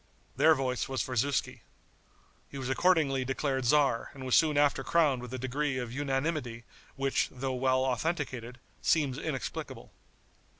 Their voice was for Zuski. He was accordingly declared tzar and was soon after crowned with a degree of unanimity which, though well authenticated, seems inexplicable.